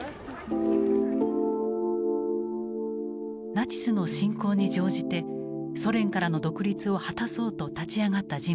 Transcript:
ナチスの侵攻に乗じてソ連からの独立を果たそうと立ち上がった人物がいた。